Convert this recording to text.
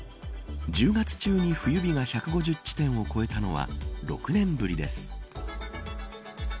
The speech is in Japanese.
１０月中に冬日が１５０地点を超えたのは６年ぶりです。